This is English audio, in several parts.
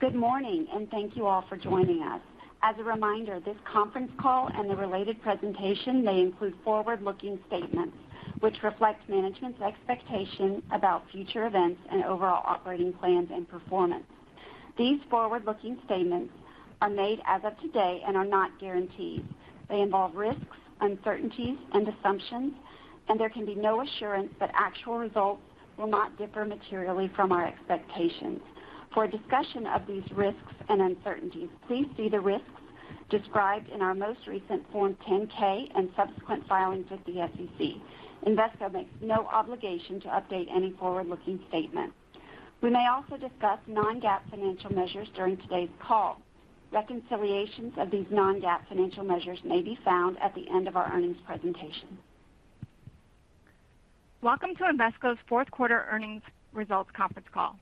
Good morning, and thank you all for joining us. As a reminder, this conference call and the related presentation may include forward-looking statements which reflect management's expectation about future events and overall operating plans and performance. These forward-looking statements are made as of today and are not guarantees. They involve risks, uncertainties, and assumptions, and there can be no assurance that actual results will not differ materially from our expectations. For a discussion of these risks and uncertainties, please see the risks described in our most recent Form 10-K and subsequent filings with the SEC. Invesco makes no obligation to update any forward-looking statement. We may also discuss non-GAAP financial measures during today's call. Reconciliations of these non-GAAP financial measures may be found at the end of our earnings presentation. Welcome to Invesco's fourth quarter earnings results conference call.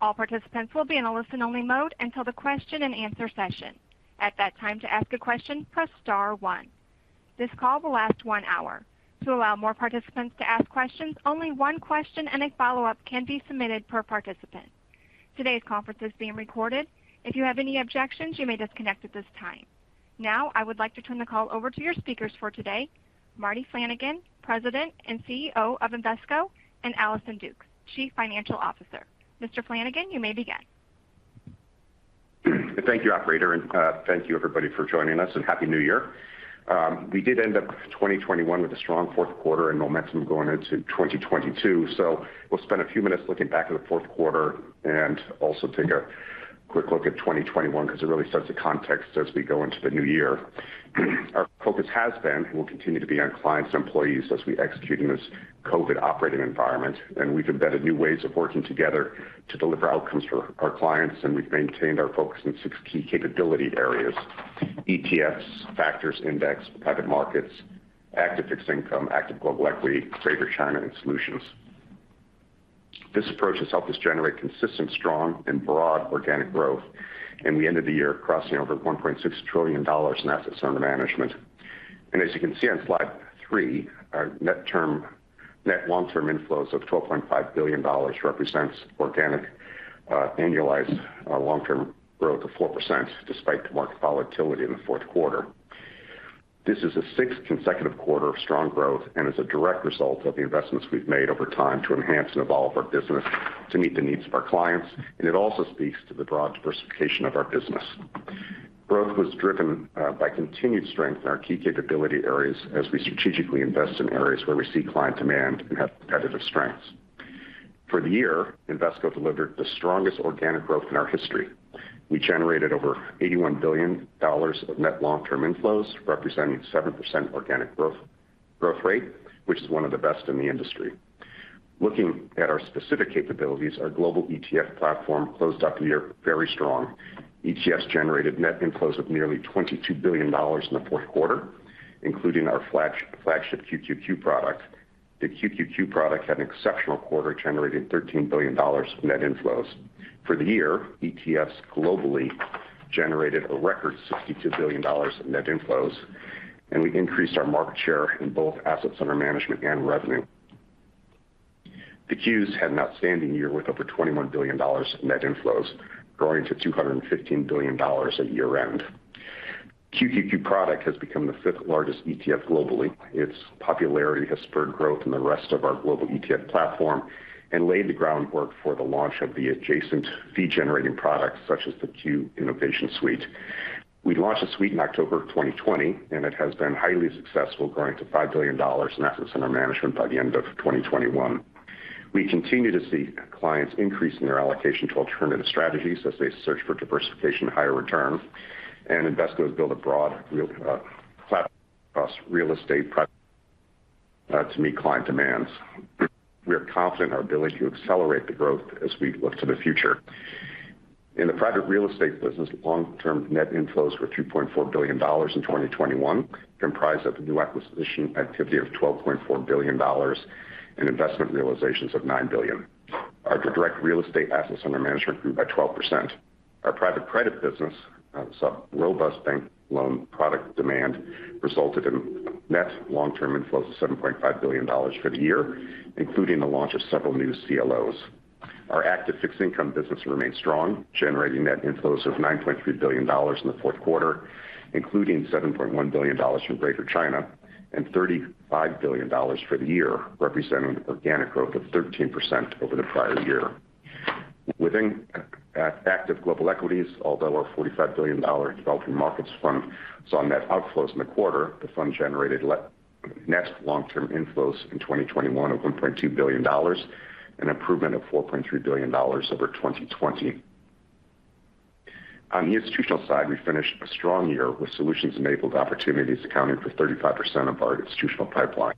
All participants will be in a listen-only mode until the question and answer session. At that time, to ask a question, press star one. This call will last one hour. To allow more participants to ask questions, only one question and a follow-up can be submitted per participant. Today's conference is being recorded. If you have any objections, you may disconnect at this time. Now, I would like to turn the call over to your speakers for today, Marty Flanagan, President and CEO of Invesco, and Allison Dukes, Chief Financial Officer. Mr. Flanagan, you may begin. Thank you, operator, and thank you everybody for joining us and happy New Year. We did end up 2021 with a strong fourth quarter and momentum going into 2022. We'll spend a few minutes looking back at the fourth quarter and also take a quick look at 2021 because it really sets the context as we go into the new year. Our focus has been and will continue to be on clients and employees as we execute in this COVID operating environment. We've embedded new ways of working together to deliver outcomes for our clients. We've maintained our focus in six key capability areas, ETFs, factors, index, private markets, active fixed income, active global equity, Greater China, and solutions. This approach has helped us generate consistent, strong, and broad organic growth at the end of the year, crossing over $1.6 trillion in assets under management. As you can see on slide three, our net long-term inflows of $12.5 billion represents organic, annualized, long-term growth of 4% despite the market volatility in the fourth quarter. This is the sixth consecutive quarter of strong growth and is a direct result of the investments we've made over time to enhance and evolve our business to meet the needs of our clients. It also speaks to the broad diversification of our business. Growth was driven by continued strength in our key capability areas as we strategically invest in areas where we see client demand and have competitive strengths. For the year, Invesco delivered the strongest organic growth in our history. We generated over $81 billion of net long-term inflows, representing 7% organic growth rate, which is one of the best in the industry. Looking at our specific capabilities, our global ETF platform closed out the year very strong. ETFs generated net inflows of nearly $22 billion in the fourth quarter, including our flagship QQQ product. The QQQ product had an exceptional quarter, generating $13 billion net inflows. For the year, ETFs globally generated a record $62 billion net inflows, and we increased our market share in both assets under management and revenue. The Q's had an outstanding year with over $21 billion net inflows, growing to $215 billion at year-end. QQQ product has become the fifth-largest ETF globally. Its popularity has spurred growth in the rest of our global ETF platform and laid the groundwork for the launch of the adjacent fee-generating products such as the QQQ Innovation Suite. We launched the suite in October 2020, and it has been highly successful, growing to $5 billion in assets under management by the end of 2021. We continue to see clients increasing their allocation to alternative strategies as they search for diversification and higher return. Invesco has built a broad platform across real estate to meet client demands. We are confident in our ability to accelerate the growth as we look to the future. In the private real estate business, long-term net inflows were $2.4 billion in 2021, comprised of new acquisition activity of $12.4 billion and investment realizations of $9 billion. Our direct real estate assets under management grew by 12%. Our private credit business saw robust bank loan product demand resulted in net long-term inflows of $7.5 billion for the year, including the launch of several new CLOs. Our active fixed income business remained strong, generating net inflows of $9.3 billion in the fourth quarter, including $7.1 billion from Greater China and $35 billion for the year, representing organic growth of 13% over the prior year. Within active global equities, although our $45 billion developing markets fund saw net outflows in the quarter, the fund generated net long-term inflows in 2021 of $1.2 billion, an improvement of $4.3 billion over 2020. On the institutional side, we finished a strong year with solutions-enabled opportunities accounting for 35% of our institutional pipeline.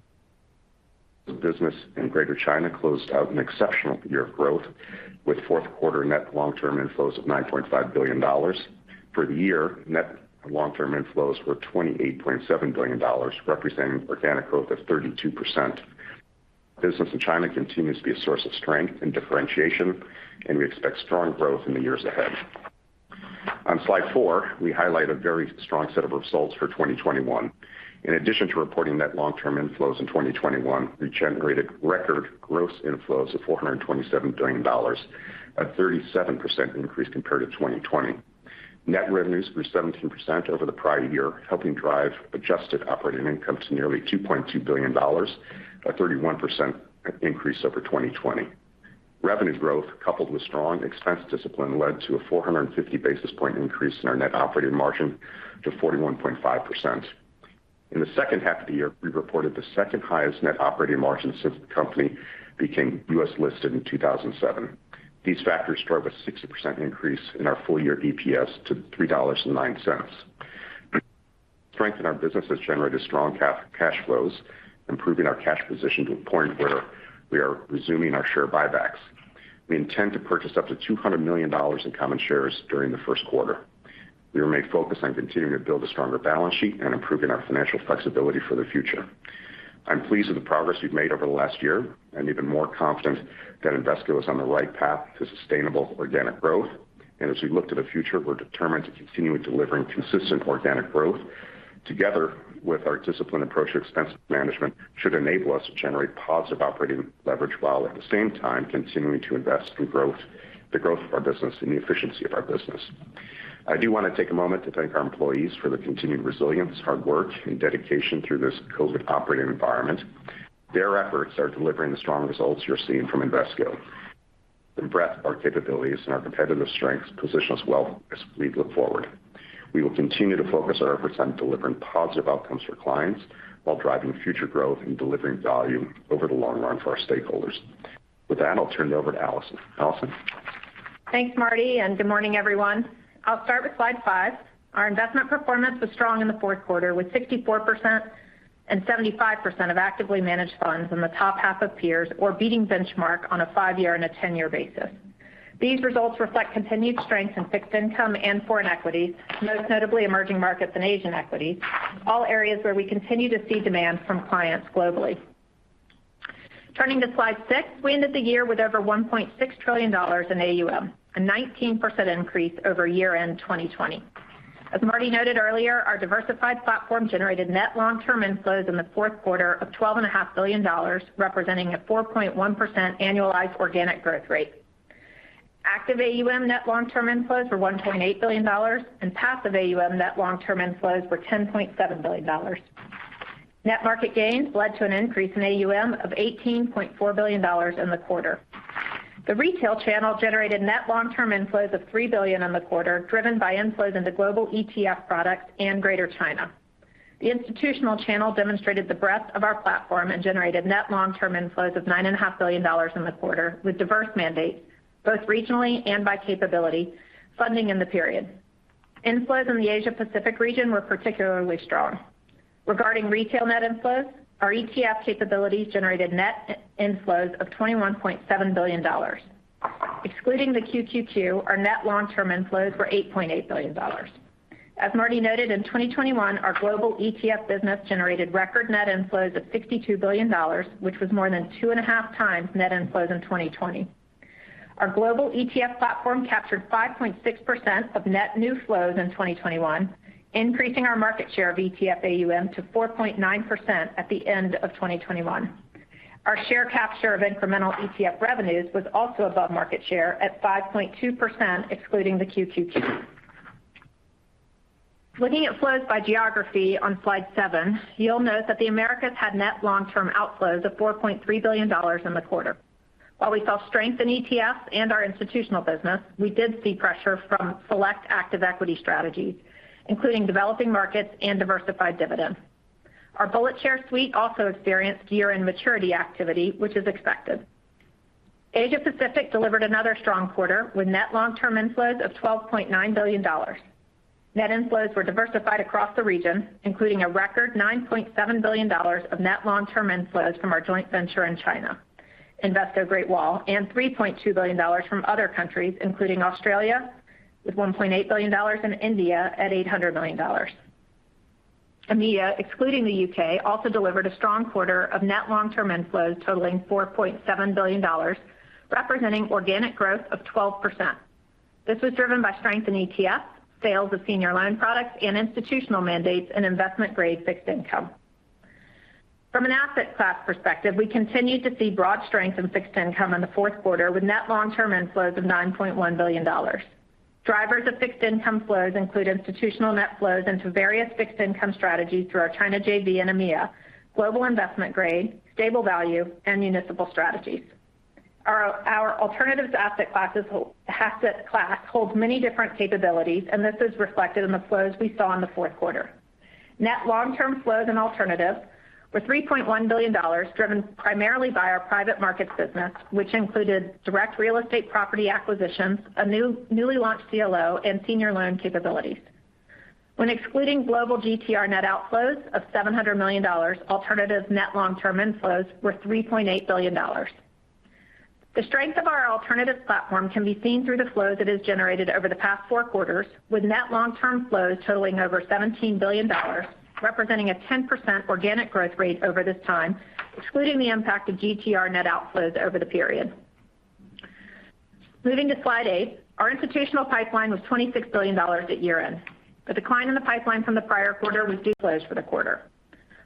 The business in Greater China closed out an exceptional year of growth, with fourth quarter net long-term inflows of $9.5 billion. For the year, net long-term inflows were $28.7 billion, representing organic growth of 32%. Business in China continues to be a source of strength and differentiation, and we expect strong growth in the years ahead. On slide four, we highlight a very strong set of results for 2021. In addition to reporting net long-term inflows in 2021, we generated record gross inflows of $427 billion, a 37% increase compared to 2020. Net revenues grew 17% over the prior year, helping drive adjusted operating income to nearly $2.2 billion, a 31% increase over 2020. Revenue growth, coupled with strong expense discipline, led to a 450 basis point increase in our net operating margin to 41.5%. In the second half of the year, we reported the second highest net operating margin since the company became U.S. listed in 2007. These factors drove a 60% increase in our full year EPS to $3.09. Strength in our business has generated strong cash flows, improving our cash position to a point where we are resuming our share buybacks. We intend to purchase up to $200 million in common shares during the first quarter. We remain focused on continuing to build a stronger balance sheet and improving our financial flexibility for the future. I'm pleased with the progress we've made over the last year, and even more confident that Invesco is on the right path to sustainable organic growth. As we look to the future, we're determined to continue delivering consistent organic growth. Together with our disciplined approach to expense management should enable us to generate positive operating leverage while at the same time continuing to invest in growth, the growth of our business and the efficiency of our business. I do wanna take a moment to thank our employees for their continued resilience, hard work and dedication through this COVID operating environment. Their efforts are delivering the strong results you're seeing from Invesco. The breadth of our capabilities and our competitive strengths position us well as we look forward. We will continue to focus our efforts on delivering positive outcomes for clients while driving future growth and delivering value over the long run for our stakeholders. With that, I'll turn it over to Allison. Thanks, Marty, and good morning, everyone. I'll start with slide five. Our investment performance was strong in the fourth quarter, with 64% and 75% of actively managed funds in the top half of peers or beating benchmark on a five-year and a 10-year basis. These results reflect continued strength in fixed income and foreign equities, most notably emerging markets and Asian equities, all areas where we continue to see demand from clients globally. Turning to slide six, we ended the year with over $1.6 trillion in AUM, a 19% increase over year-end 2020. As Marty noted earlier, our diversified platform generated net long-term inflows in the fourth quarter of $12.5 billion, representing a 4.1% annualized organic growth rate. Active AUM net long-term inflows were $1.8 billion, and passive AUM net long-term inflows were $10.7 billion. Net market gains led to an increase in AUM of $18.4 billion in the quarter. The retail channel generated net long-term inflows of $3 billion in the quarter, driven by inflows in the global ETF products and Greater China. The institutional channel demonstrated the breadth of our platform and generated net long-term inflows of $9.5 billion in the quarter, with diverse mandates, both regionally and by capability, funding in the period. Inflows in the Asia Pacific region were particularly strong. Regarding retail net inflows, our ETF capabilities generated net inflows of $21.7 billion. Excluding the QQQ, our net long-term inflows were $8.8 billion. As Marty noted, in 2021, our global ETF business generated record net inflows of $62 billion, which was more than two and a half times net inflows in 2020. Our global ETF platform captured 5.6% of net new flows in 2021, increasing our market share of ETF AUM to 4.9% at the end of 2021. Our share capture of incremental ETF revenues was also above market share at 5.2%, excluding the QQQ. Looking at flows by geography on slide seven, you'll note that the Americas had net long-term outflows of $4.3 billion in the quarter. While we saw strength in ETFs and our institutional business, we did see pressure from select active equity strategies, including developing markets and diversified dividends. Our BulletShares suite also experienced year-end maturity activity, which is expected. Asia Pacific delivered another strong quarter with net long-term inflows of $12.9 billion. Net inflows were diversified across the region, including a record $9.7 billion of net long-term inflows from our joint venture in China, Invesco Great Wall, and $3.2 billion from other countries, including Australia, with $1.8 billion, and India at $800 million. EMEA, excluding the U.K., also delivered a strong quarter of net long-term inflows totaling $4.7 billion, representing organic growth of 12%. This was driven by strength in ETFs, sales of senior loan products, and institutional mandates in investment-grade fixed income. From an asset class perspective, we continued to see broad strength in fixed income in the fourth quarter, with net long-term inflows of $9.1 billion. Drivers of fixed income flows include institutional net flows into various fixed income strategies through our China JV and EMEA, global investment grade, stable value, and municipal strategies. Our alternatives asset class holds many different capabilities, and this is reflected in the flows we saw in the fourth quarter. Net long-term flows in alternatives were $3.1 billion, driven primarily by our private markets business, which included direct real estate property acquisitions, a newly launched CLO, and senior loan capabilities. When excluding global GTR net outflows of $700 million, alternatives net long-term inflows were $3.8 billion. The strength of our alternatives platform can be seen through the flows it has generated over the past four quarters, with net long-term flows totaling over $17 billion, representing a 10% organic growth rate over this time, excluding the impact of GTR net outflows over the period. Moving to slide eight. Our institutional pipeline was $26 billion at year-end. The decline in the pipeline from the prior quarter was due to closes for the quarter.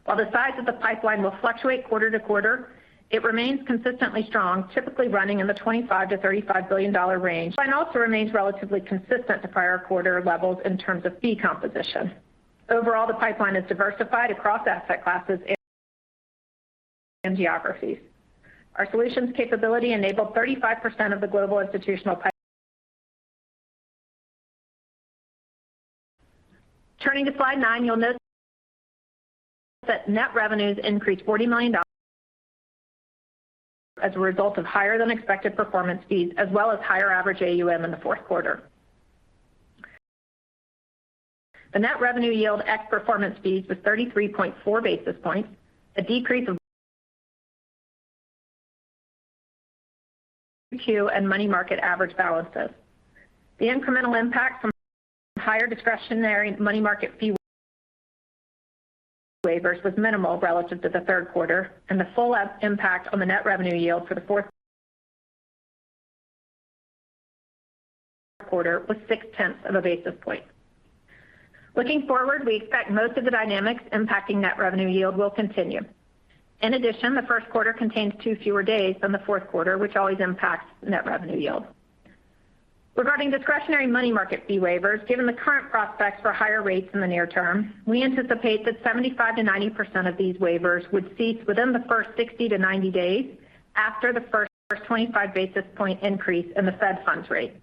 While the size of the pipeline will fluctuate quarter to quarter, it remains consistently strong, typically running in the $25 billion-$35 billion range and also remains relatively consistent to prior quarter levels in terms of fee composition. Overall, the pipeline is diversified across asset classes and geographies. Our solutions capability enabled 35% of the global institutional pipeline. Turning to slide nine, you'll note that net revenues increased $40 million as a result of higher than expected performance fees, as well as higher average AUM in the fourth quarter. The net revenue yield ex performance fees was 33.4 basis points, a decrease of and money market average balances. The incremental impact from higher discretionary money market fee waivers was minimal relative to the third quarter, and the full impact on the net revenue yield for the fourth quarter was 0.6 of a basis point. Looking forward, we expect most of the dynamics impacting net revenue yield will continue. In addition, the first quarter contains 2 fewer days than the fourth quarter, which always impacts net revenue yield. Regarding discretionary money market fee waivers, given the current prospects for higher rates in the near term, we anticipate that 75%-90% of these waivers would cease within the first 60-90 days after the first 25 basis point increase in the Fed funds rate.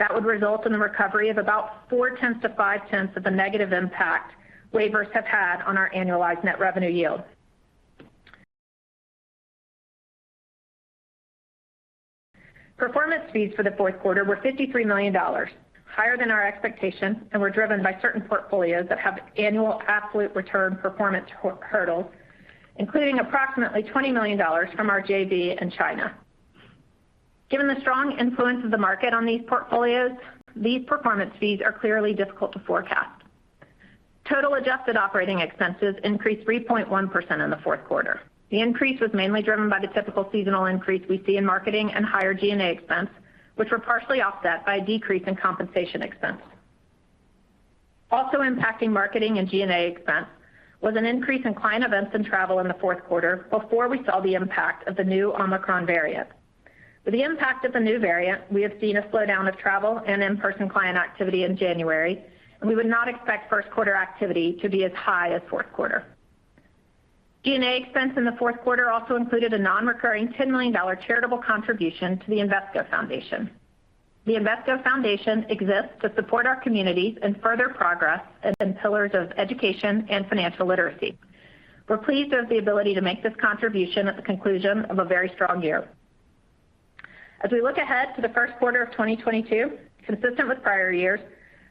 That would result in a recovery of about 0.4-0.5 of the negative impact waivers have had on our annualized net revenue yield. Performance fees for the fourth quarter were $53 million, higher than our expectations, and were driven by certain portfolios that have annual absolute return performance hurdles, including approximately $20 million from our JV in China. Given the strong influence of the market on these portfolios, these performance fees are clearly difficult to forecast. Total adjusted operating expenses increased 3.1% in the fourth quarter. The increase was mainly driven by the typical seasonal increase we see in marketing and higher G&A expense, which were partially offset by a decrease in compensation expense. Also impacting marketing and G&A expense was an increase in client events and travel in the fourth quarter before we saw the impact of the new Omicron variant. With the impact of the new variant, we have seen a slowdown of travel and in-person client activity in January, and we would not expect first quarter activity to be as high as fourth quarter. G&A expense in the fourth quarter also included a non-recurring $10 million charitable contribution to the Invesco Foundation. The Invesco Foundation exists to support our communities and further progress in pillars of education and financial literacy. We're pleased with the ability to make this contribution at the conclusion of a very strong year. As we look ahead to the first quarter of 2022, consistent with prior years,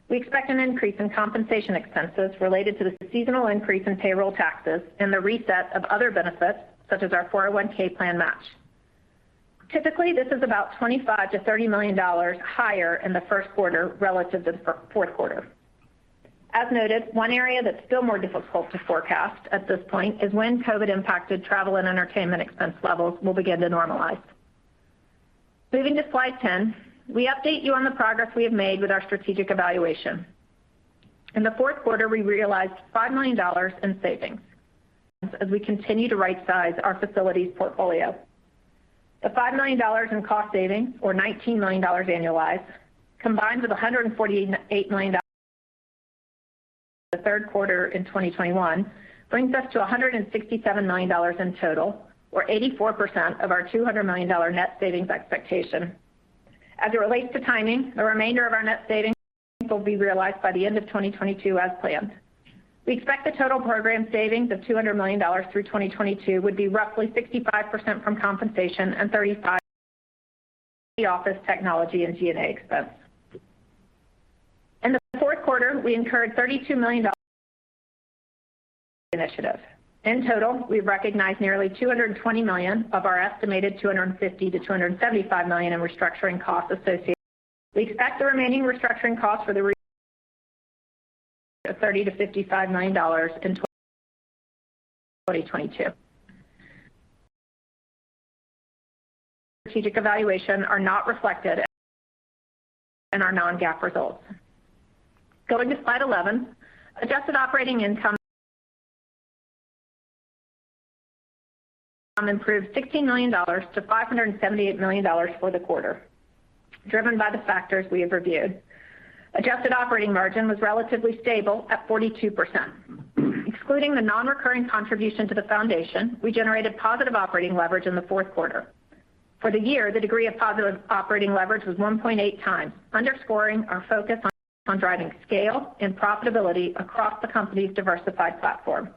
we expect an increase in compensation expenses related to the seasonal increase in payroll taxes and the reset of other benefits such as our 401(k) plan match. Typically, this is about $25 million-$30 million higher in the first quarter relative to the fourth quarter. As noted, one area that's still more difficult to forecast at this point is when COVID impacted travel and entertainment expense levels will begin to normalize. Moving to slide 10. We update you on the progress we have made with our strategic evaluation. In the fourth quarter, we realized $5 million in savings as we continue to right-size our facilities portfolio. The $5 million in cost savings or $19 million annualized, combined with $148 million in the third quarter in 2021, brings us to $167 million in total, or 84% of our $200 million net savings expectation. As it relates to timing, the remainder of our net savings will be realized by the end of 2022 as planned. We expect the total program savings of $200 million through 2022 would be roughly 65% from compensation and 35% office technology and G&A expense. In the fourth quarter, we incurred $32 million initiative. In total, we recognized nearly $220 million of our estimated $250 million-$275 million in restructuring costs associated. We expect the remaining restructuring costs for the year of $30 million-$55 million in 2022. Strategic evaluation is not reflected in our non-GAAP results. Going to slide 11. Adjusted operating income improved $16 million-$578 million for the quarter, driven by the factors we have reviewed. Adjusted operating margin was relatively stable at 42%. Excluding the non-recurring contribution to the foundation, we generated positive operating leverage in the fourth quarter. For the year, the degree of positive operating leverage was 1.8x, underscoring our focus on driving scale and profitability across the company's diversified platform.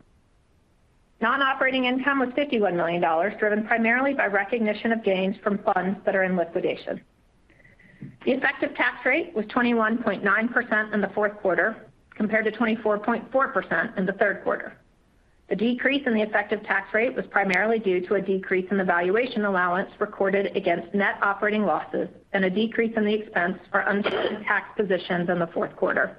Non-operating income was $51 million, driven primarily by recognition of gains from funds that are in liquidation. The effective tax rate was 21.9% in the fourth quarter compared to 24.4% in the third quarter. The decrease in the effective tax rate was primarily due to a decrease in the valuation allowance recorded against net operating losses and a decrease in the expense for uncertain tax positions in the fourth quarter.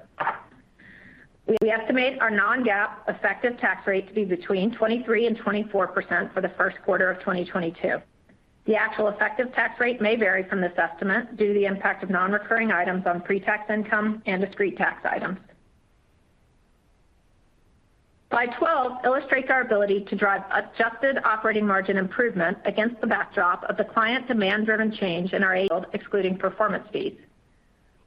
We estimate our non-GAAP effective tax rate to be between 23% and 24% for the first quarter of 2022. The actual effective tax rate may vary from this estimate due to the impact of non-recurring items on pre-tax income and discrete tax items. Slide 12 illustrates our ability to drive adjusted operating margin improvement against the backdrop of the client demand-driven change in our AUM, excluding performance fees.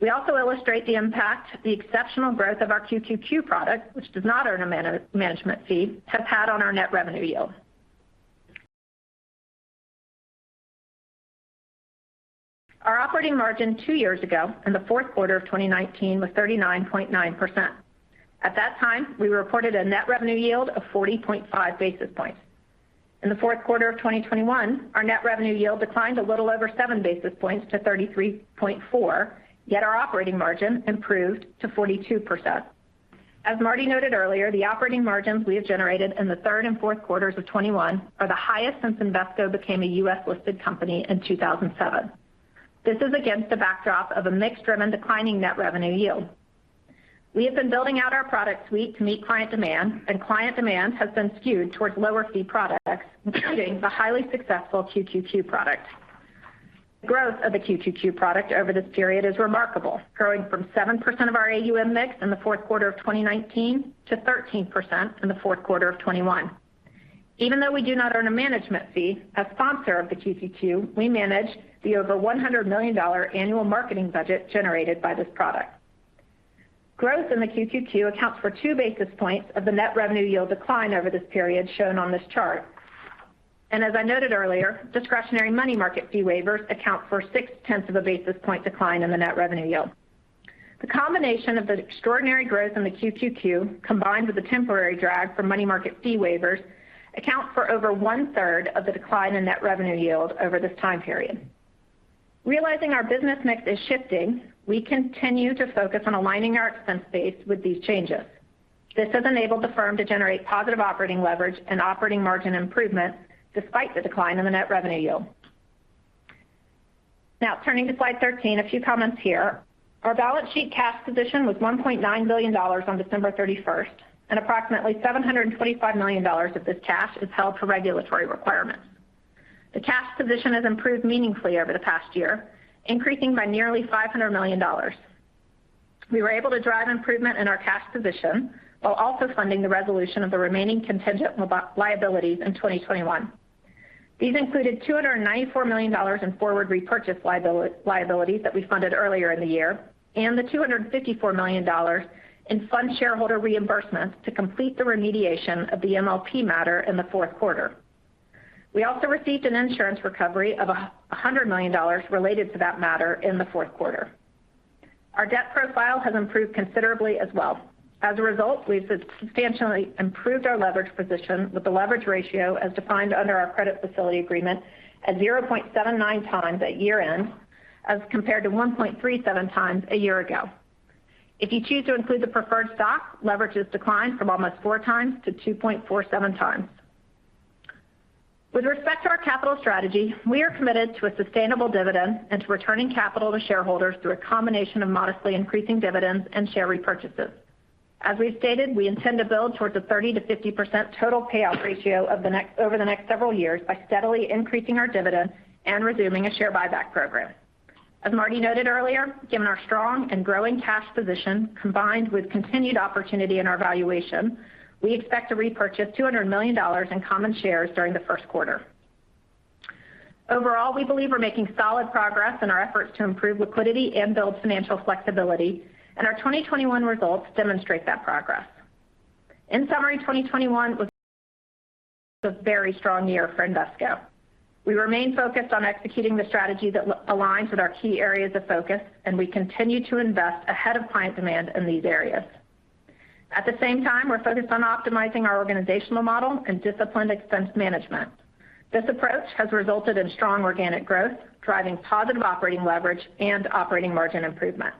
We also illustrate the impact the exceptional growth of our QQQ product, which does not earn a management fee, have had on our net revenue yield. Our operating margin two years ago in the fourth quarter of 2019 was 39.9%. At that time, we reported a net revenue yield of 40.5 basis points. In the fourth quarter of 2021, our net revenue yield declined a little over seven basis points to 33.4, yet our operating margin improved to 42%. As Marty noted earlier, the operating margins we have generated in the third and fourth quarters of 2021 are the highest since Invesco became a U.S.-listed company in 2007. This is against the backdrop of a mix-driven declining net revenue yield. We have been building out our product suite to meet client demand, and client demand has been skewed towards lower fee products, including the highly successful QQQ product. The growth of the QQQ product over this period is remarkable, growing from 7% of our AUM mix in the fourth quarter of 2019 to 13% in the fourth quarter of 2021. Even though we do not earn a management fee as sponsor of the QQQ, we manage the over $100 million annual marketing budget generated by this product. Growth in the QQQ accounts for two basis points of the net revenue yield decline over this period shown on this chart. As I noted earlier, discretionary money market fee waivers account for 0.6 basis point decline in the net revenue yield. The combination of the extraordinary growth in the QQQ, combined with the temporary drag from money market fee waivers, account for over one-third of the decline in net revenue yield over this time period. Realizing our business mix is shifting, we continue to focus on aligning our expense base with these changes. This has enabled the firm to generate positive operating leverage and operating margin improvement despite the decline in the net revenue yield. Now turning to slide 13, a few comments here. Our balance sheet cash position was $1.9 billion on December 31st, and approximately $725 million of this cash is held for regulatory requirements. The cash position has improved meaningfully over the past year, increasing by nearly $500 million. We were able to drive improvement in our cash position while also funding the resolution of the remaining contingent liabilities in 2021. These included $294 million in forward repurchase liabilities that we funded earlier in the year, and the $254 million in fund shareholder reimbursements to complete the remediation of the MLP matter in the fourth quarter. We also received an insurance recovery of $100 million related to that matter in the fourth quarter. Our debt profile has improved considerably as well. As a result, we've substantially improved our leverage position with the leverage ratio as defined under our credit facility agreement at 0.79x at year-end, as compared to 1.37x a year ago. If you choose to include the preferred stock, leverage has declined from almost 4x-2.47x. With respect to our capital strategy, we are committed to a sustainable dividend and to returning capital to shareholders through a combination of modestly increasing dividends and share repurchases. As we've stated, we intend to build towards a 30%-50% total payout ratio over the next several years by steadily increasing our dividend and resuming a share buyback program. As Marty noted earlier, given our strong and growing cash position, combined with continued opportunity in our valuation, we expect to repurchase $200 million in common shares during the first quarter. Overall, we believe we're making solid progress in our efforts to improve liquidity and build financial flexibility, and our 2021 results demonstrate that progress. In summary, 2021 was a very strong year for Invesco. We remain focused on executing the strategy that aligns with our key areas of focus, and we continue to invest ahead of client demand in these areas. At the same time, we're focused on optimizing our organizational model and disciplined expense management. This approach has resulted in strong organic growth, driving positive operating leverage and operating margin improvement.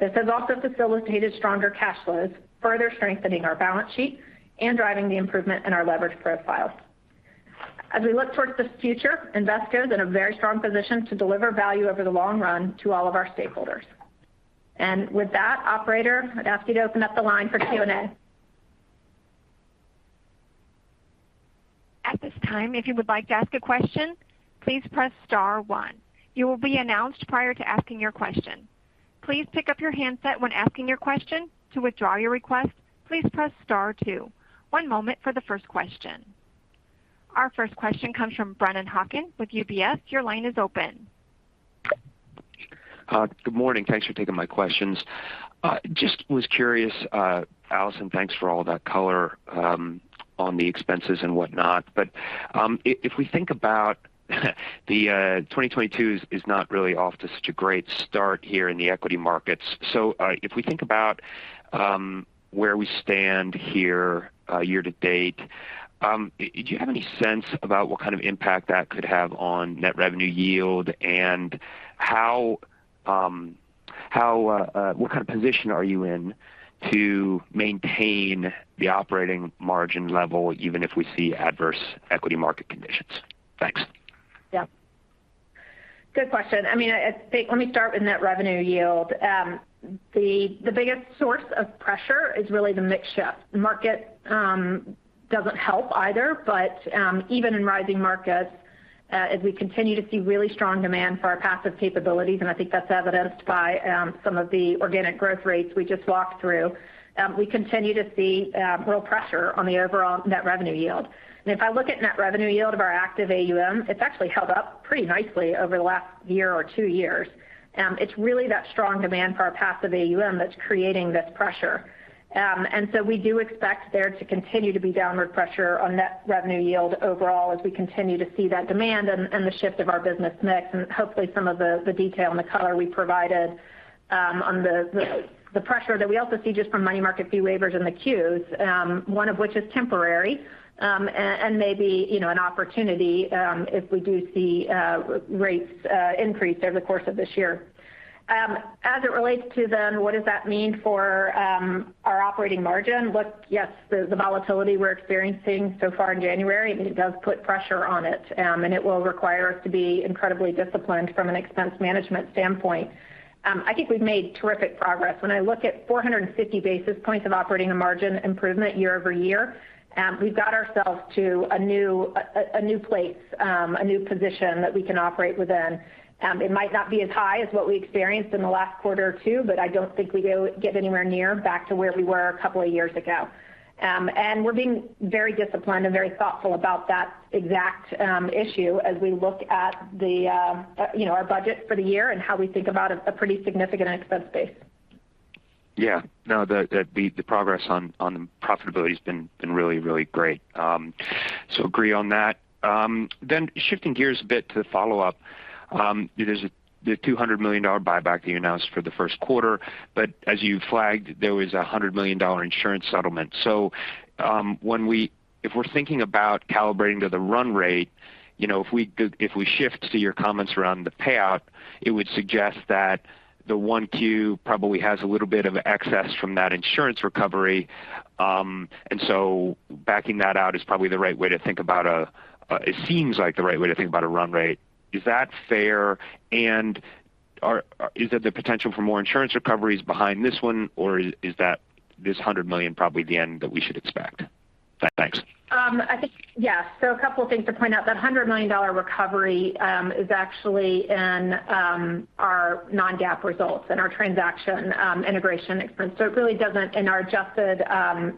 This has also facilitated stronger cash flows, further strengthening our balance sheet and driving the improvement in our leverage profile. As we look towards the future, Invesco is in a very strong position to deliver value over the long run to all of our stakeholders. With that, operator, I'd ask you to open up the line for Q&A. At this time, if you would like to ask a question, please press star one. You will be announced prior to asking your question. Please pick up your handset when asking your question. To withdraw your request, please press star two. One moment for the first question. Our first question comes from Brennan Hawken with UBS. Your line is open. Good morning. Thanks for taking my questions. I just was curious, Allison, thanks for all that color on the expenses and whatnot. If we think about the 2022 is not really off to such a great start here in the equity markets. If we think about where we stand here year to date, do you have any sense about what kind of impact that could have on net revenue yield and how what kind of position are you in to maintain the operating margin level even if we see adverse equity market conditions? Thanks. Good question. I mean, I think let me start with net revenue yield. The biggest source of pressure is really the mix shift. The market doesn't help either. Even in rising markets, as we continue to see really strong demand for our passive capabilities, and I think that's evidenced by some of the organic growth rates we just walked through, we continue to see little pressure on the overall net revenue yield. If I look at net revenue yield of our active AUM, it's actually held up pretty nicely over the last year or two years. It's really that strong demand for our passive AUM that's creating this pressure. We do expect there to continue to be downward pressure on net revenue yield overall as we continue to see that demand and the shift of our business mix, and hopefully some of the detail and the color we provided on the pressure that we also see just from money market fee waivers and the Qs, one of which is temporary, and maybe, you know, an opportunity if we do see rates increase over the course of this year. As it relates to then what does that mean for our operating margin? Look, yes, the volatility we're experiencing so far in January, I mean, it does put pressure on it, and it will require us to be incredibly disciplined from an expense management standpoint. I think we've made terrific progress. When I look at 450 basis points of operating and margin improvement year-over-year, we've got ourselves to a new place, a new position that we can operate within. It might not be as high as what we experienced in the last quarter or two, but I don't think we get anywhere near back to where we were a couple of years ago. We're being very disciplined and very thoughtful about that exact issue as we look at the, you know, our budget for the year and how we think about a pretty significant expense base. Yeah. No, the progress on the profitability has been really great. Agree on that. Shifting gears a bit to follow up, there's the $200 million buyback that you announced for the first quarter, but as you flagged, there was a $100 million insurance settlement. If we're thinking about calibrating to the run rate, you know, if we shift to your comments around the payout, it would suggest that the 1Q probably has a little bit of excess from that insurance recovery. Backing that out is probably the right way to think about a run rate. Is that fair? Is there the potential for more insurance recoveries behind this one, or is that this $100 million probably the end that we should expect? Thanks. I think, yes. A couple things to point out. That $100 million recovery is actually in our non-GAAP results and our transaction integration expense. It really doesn't, in our adjusted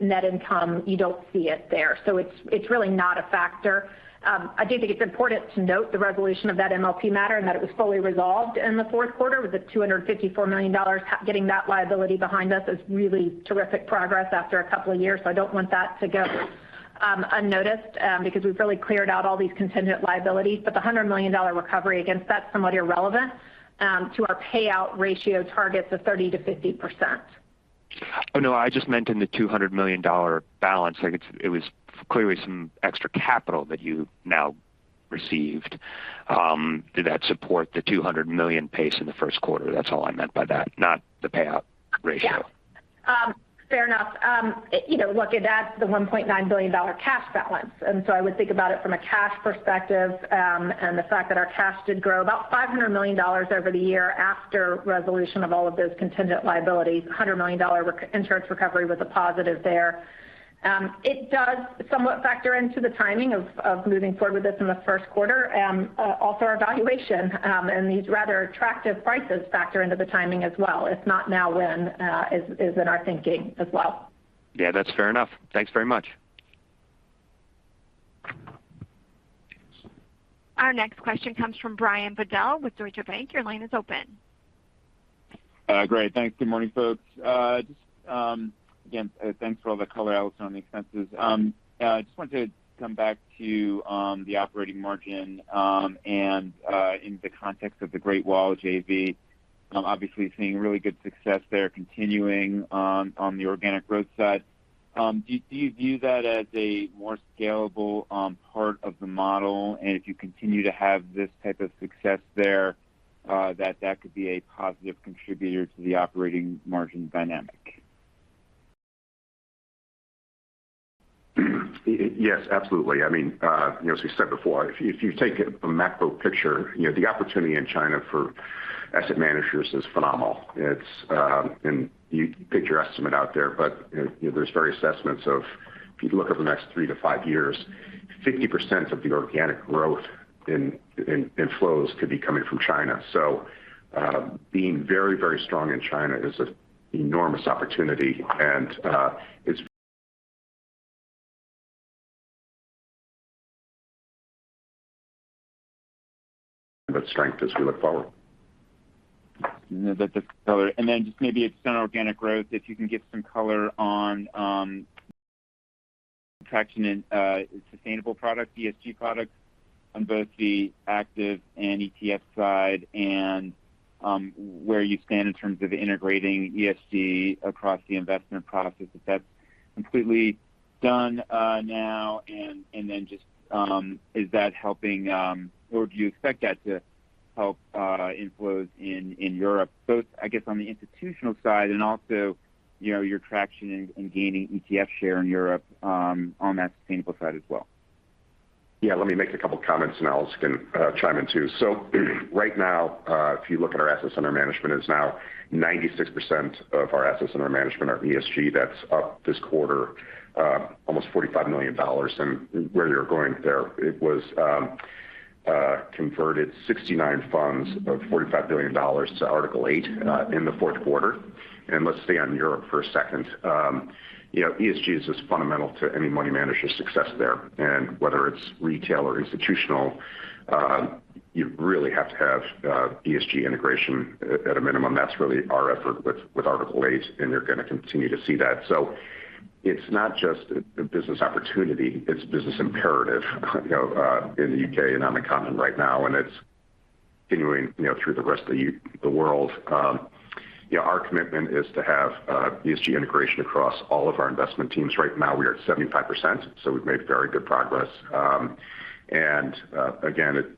net income, you don't see it there. It's really not a factor. I do think it's important to note the resolution of that MLP matter and that it was fully resolved in the fourth quarter with the $254 million. Getting that liability behind us is really terrific progress after a couple of years. I don't want that to go unnoticed because we've really cleared out all these contingent liabilities. The $100 million recovery, again, that's somewhat irrelevant to our payout ratio targets of 30%-50%. Oh, no, I just meant in the $200 million balance, like it was clearly some extra capital that you now received. Did that support the $200 million pace in the first quarter? That's all I meant by that, not the payout ratio. Yeah. Fair enough. You know, look, it adds to the $1.9 billion cash balance. I would think about it from a cash perspective, and the fact that our cash did grow about $500 million over the year after resolution of all of those contingent liabilities. $100 million insurance recovery was a positive there. It does somewhat factor into the timing of moving forward with this in the first quarter. Also our valuation, and these rather attractive prices factor into the timing as well. If not now, when, is in our thinking as well. Yeah, that's fair enough. Thanks very much. Our next question comes from Brian Bedell with Deutsche Bank. Your line is open. Great. Thanks. Good morning, folks. Just again, thanks for all the color, Allison, on the expenses. I just wanted to come back to the operating margin and in the context of the Great Wall JV. Obviously seeing really good success there continuing on the organic growth side. Do you view that as a more scalable part of the model? If you continue to have this type of success there, that could be a positive contributor to the operating margin dynamic? Yes, absolutely. I mean, you know, as we said before, if you take a macro picture, you know, the opportunity in China for asset managers is phenomenal. It's, and you pick your estimate out there, but, you know, there's various assessments of if you look over the next three-five years, 50% of the organic growth in flows could be coming from China. Being very, very strong in China is an enormous opportunity. It's strength as we look forward. That's a color. Just maybe on organic growth, if you can give some color on traction in sustainable products, ESG products on both the active and ETF side and where you stand in terms of integrating ESG across the investment process, if that's completely done now. Just is that helping or do you expect that to help inflows in Europe, both I guess on the institutional side and also you know your traction in gaining ETF share in Europe on that sustainable side as well? Yeah. Let me make a couple comments, and Allison can chime in, too. Right now, if you look at our assets under management, it's now 96% of our assets under management are ESG. That's up this quarter almost $45 million. Where you're going there, it was converted 69 funds of $45 billion to Article 8 in the fourth quarter. Let's stay on Europe for a second. You know, ESG is as fundamental to any money manager's success there. Whether it's retail or institutional, you really have to have ESG integration at a minimum. That's really our effort with Article eight, and you're gonna continue to see that. It's not just a business opportunity, it's a business imperative, you know, in the U.K., and on the continent right now, and it's continuing, you know, through the rest of the world. You know, our commitment is to have ESG integration across all of our investment teams. Right now, we are at 75%, so we've made very good progress. Again,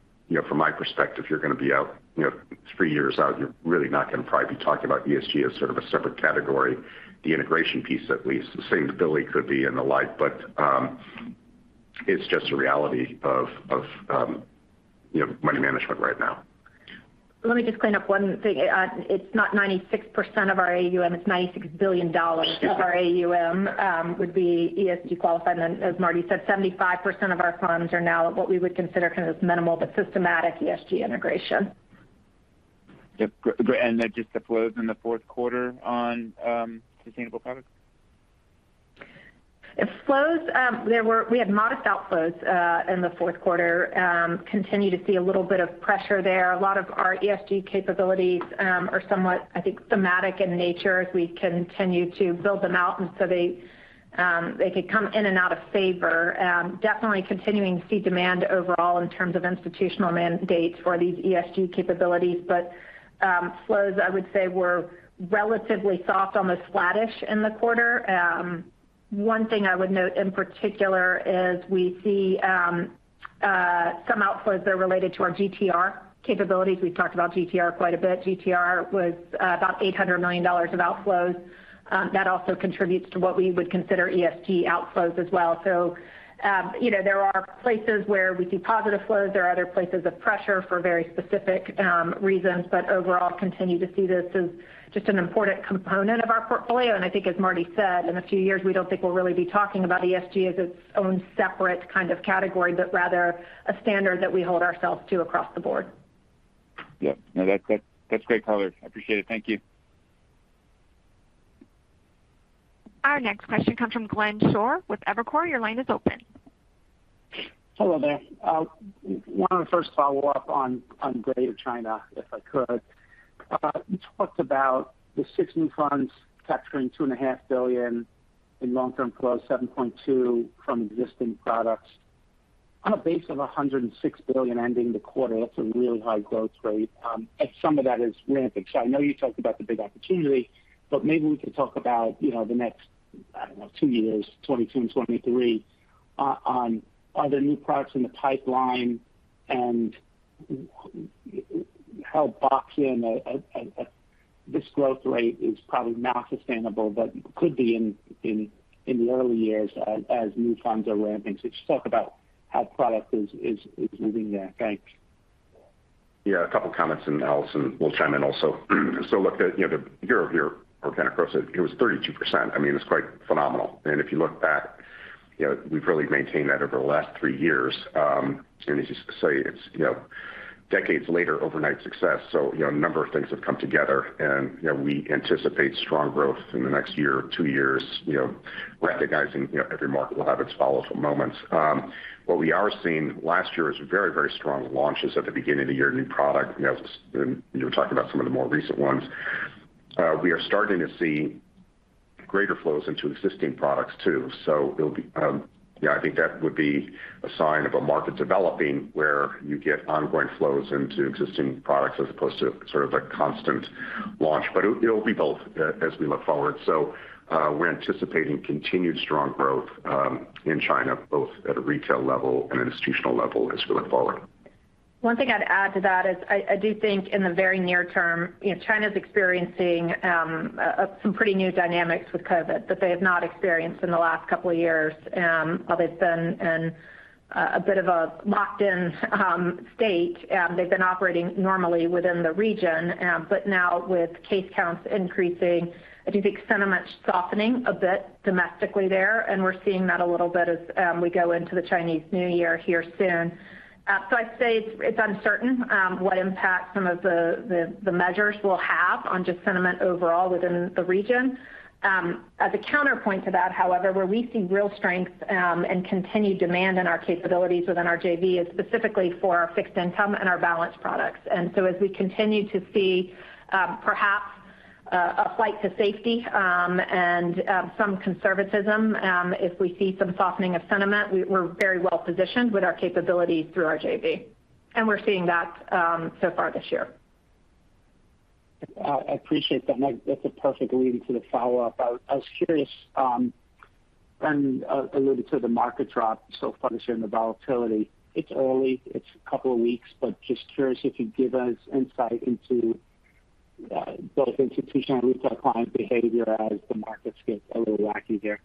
from my perspective, you're gonna be out, you know, three years out, you're really not gonna probably be talking about ESG as sort of a separate category. The integration piece, at least, sustainability could be and the like, but it's just a reality of, you know, money management right now. Let me just clean up one thing. It's not 96% of our AUM, it's $96 billion of our AUM would be ESG qualified. Then as Marty said, 75% of our funds are now what we would consider kind of minimal but systematic ESG integration. Yep. Just the flows in the fourth quarter on sustainable products? Flows, we had modest outflows in the fourth quarter. Continue to see a little bit of pressure there. A lot of our ESG capabilities are somewhat, I think, thematic in nature as we continue to build them out and so they could come in and out of favor. Definitely continuing to see demand overall in terms of institutional mandates for these ESG capabilities. Flows, I would say, were relatively soft on the flattish in the quarter. One thing I would note in particular is we see some outflows that are related to our GTR capabilities. We've talked about GTR quite a bit. GTR was about $800 million of outflows. That also contributes to what we would consider ESG outflows as well. You know, there are places where we see positive flows. There are other places of pressure for very specific reasons. Overall, continue to see this as just an important component of our portfolio. I think as Marty said, in a few years, we don't think we'll really be talking about ESG as its own separate kind of category, but rather a standard that we hold ourselves to across the board. Yep. No. That's great color. I appreciate it. Thank you. Our next question comes from Glenn Schorr with Evercore. Your line is open. Wanna first follow up on growth in China, if I could. You talked about the six new funds capturing $2.5 billion in long-term flows, $7.2 billion from existing products. On a base of $106 billion ending the quarter, that's a really high growth rate, and some of that is ramping. I know you talked about the big opportunity, but maybe we could talk about, you know, the next, I don't know, two years, 2022 and 2023. On, are there new products in the pipeline? This growth rate is probably not sustainable, but could be in the early years as new funds are ramping. Just talk about how product is moving there? Thanks. Yeah. A couple comments, and Allison will chime in also. Look, you know, the year-over-year organic growth, it was 32%. I mean, it's quite phenomenal. If you look back, you know, we've really maintained that over the last three years. As you say, it's, you know, decades later, overnight success. You know, a number of things have come together and, you know, we anticipate strong growth in the next year or two years. You know, recognizing, you know, every market will have its volatile moments. What we are seeing last year is very, very strong launches at the beginning of the year, new product, you know, and you were talking about some of the more recent ones. We are starting to see greater flows into existing products, too. It'll be... Yeah, I think that would be a sign of a market developing where you get ongoing flows into existing products as opposed to sort of a constant launch. It'll be both as we look forward. We're anticipating continued strong growth in China, both at a retail level and institutional level as we look forward. One thing I'd add to that is I do think in the very near term, you know, China's experiencing some pretty new dynamics with COVID that they have not experienced in the last couple of years. While they've been in a bit of a lockdown state, they've been operating normally within the region. Now with case counts increasing, I do think sentiment's softening a bit domestically there, and we're seeing that a little bit as we go into the Chinese New Year here soon. I'd say it's uncertain what impact some of the measures will have on just sentiment overall within the region. As a counterpoint to that, however, where we see real strength and continued demand in our capabilities within our JV is specifically for our fixed income and our balanced products. As we continue to see, perhaps, a flight to safety and some conservatism, if we see some softening of sentiment, we're very well positioned with our capabilities through our JV. We're seeing that so far this year. I appreciate that, and that's a perfect lead into the follow-up. I was curious, And alluded to the market drop, so punishing the volatility. It's early, it's a couple of weeks, but just curious if you'd give us insight into both institutional and retail client behavior as the markets get a little wacky here?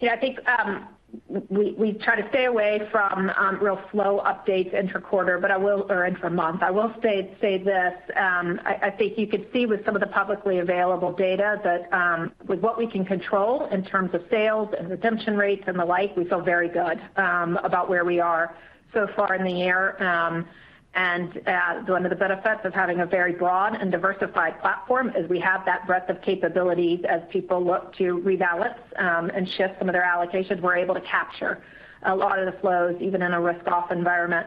Yeah, I think we try to stay away from really slow updates inter-quarter or inter-month. I will say this. I think you could see with some of the publicly available data that, with what we can control in terms of sales and redemption rates and the like, we feel very good about where we are so far in the year. One of the benefits of having a very broad and diversified platform is we have that breadth of capabilities as people look to rebalance and shift some of their allocations. We're able to capture a lot of the flows, even in a risk-off environment.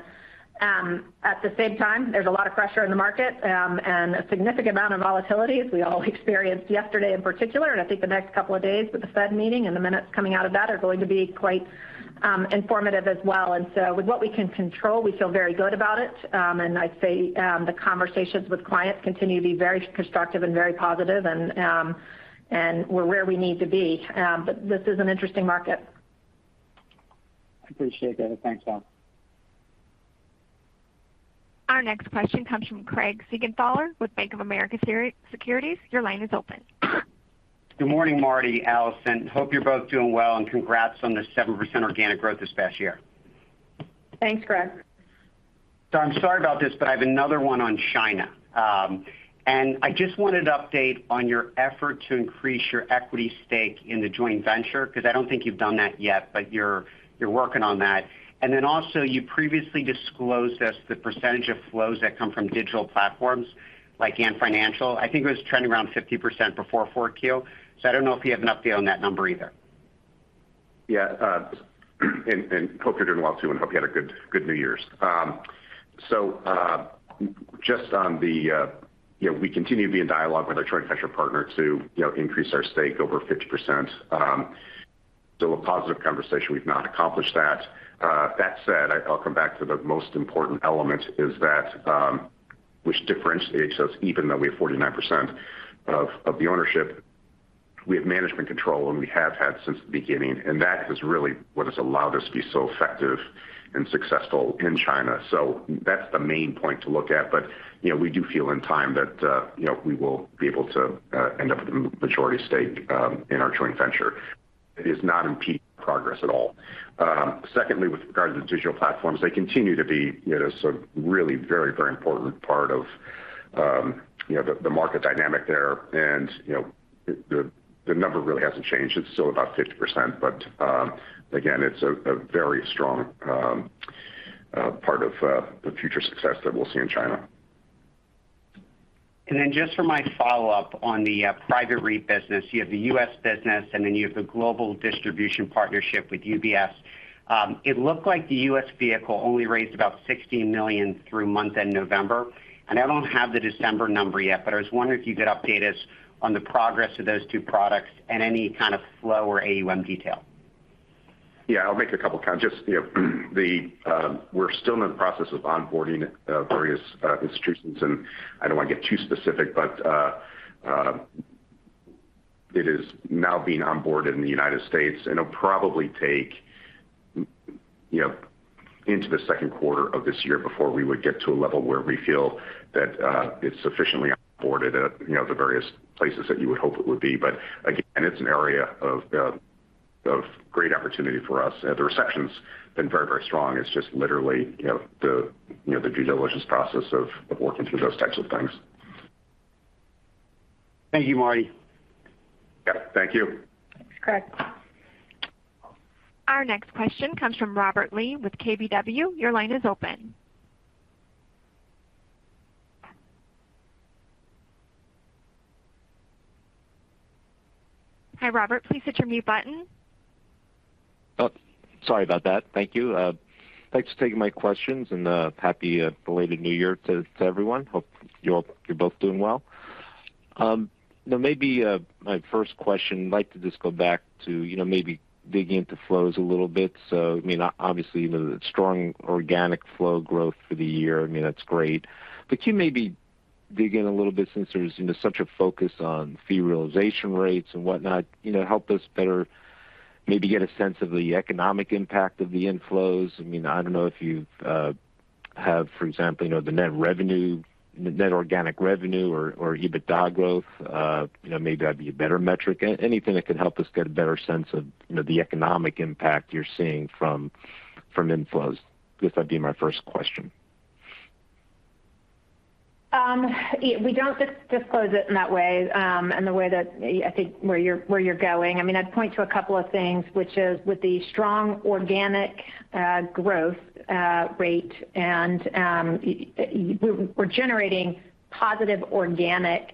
At the same time, there's a lot of pressure in the market and a significant amount of volatility as we all experienced yesterday in particular. I think the next couple of days with the Fed meeting and the minutes coming out of that are going to be quite informative as well. With what we can control, we feel very good about it. I'd say the conversations with clients continue to be very constructive and very positive and we're where we need to be. This is an interesting market. Appreciate that. Thanks, all. Our next question comes from Craig Siegenthaler with Bank of America Securities. Your line is open. Good morning, Marty, Allison. Hope you're both doing well, and congrats on the 7% organic growth this past year. Thanks, Craig. I'm sorry about this, but I have another one on China. I just wanted an update on your effort to increase your equity stake in the joint venture because I don't think you've done that yet, but you're working on that. You previously disclosed the percentage of flows that come from digital platforms like Ant Financial. I think it was trending around 50% before 4Q. I don't know if you have an update on that number either? Yeah, hope you're doing well, too, and hope you had a good New Year's. So, just on the, you know, we continue to be in dialogue with our joint venture partner to, you know, increase our stake over 50%. Still a positive conversation. We've not accomplished that. That said, I'll come back to the most important element is that, which differentiates us, even though we have 49% of the ownership. We have management control, and we have had since the beginning, and that is really what has allowed us to be so effective and successful in China. So that's the main point to look at. But, you know, we do feel in time that, you know, we will be able to end up with a majority stake in our joint venture. It has not impeded progress at all. Secondly, with regard to the digital platforms, they continue to be, you know, sort of really very, very important part of, you know, the market dynamic there. You know, the number really hasn't changed. It's still about 50%, but again, it's a very strong part of the future success that we'll see in China. Just for my follow-up on the private REIT business, you have the U.S. business, and then you have the global distribution partnership with UBS. It looked like the U.S. vehicle only raised about $16 million through month-end November. I don't have the December number yet, but I was wondering if you could update us on the progress of those two products and any kind of flow or AUM detail? Yeah, I'll make a couple of comments. Just, you know, the, we're still in the process of onboarding various institutions, and I don't want to get too specific, but it is now being onboarded in the United States, and it'll probably take, you know, into the second quarter of this year before we would get to a level where we feel that it's sufficiently onboarded at, you know, the various places that you would hope it would be. It's an area of great opportunity for us. The reception's been very, very strong. It's just literally, you know, the due diligence process of working through those types of things. Thank you, Marty. Yeah. Thank you. Thanks, Craig. Our next question comes from Robert Lee with KBW. Your line is open. Hi, Robert, please hit your mute button. Oh, sorry about that. Thank you. Thanks for taking my questions and happy belated New Year to everyone. Hope you're both doing well. You know, maybe my first question, like to just go back to, you know, maybe digging into flows a little bit. I mean, obviously, you know, the strong organic flow growth for the year, I mean, that's great. Can you maybe dig in a little bit since there's, you know, such a focus on fee realization rates and whatnot, you know, help us better maybe get a sense of the economic impact of the inflows. I mean, I don't know if you have, for example, you know, the net revenue, net organic revenue or EBITDA growth. You know, maybe that'd be a better metric? Anything that could help us get a better sense of, you know, the economic impact you're seeing from inflows. Guess that'd be my first question. Yeah. We don't disclose it in that way, in the way that, I think, where you're going. I mean, I'd point to a couple of things, which is with the strong organic growth rate and we're generating positive organic